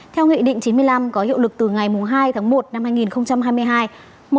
theo nghị định chín mươi năm có hiệu lực từ ngày hai tháng một năm hai nghìn hai mươi hai